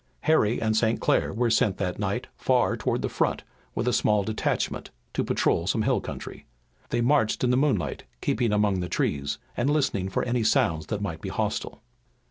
Harry and St. Clair were sent that night far toward the front with a small detachment to patrol some hill country. They marched in the moonlight, keeping among the trees, and listening for any sounds that might be hostile.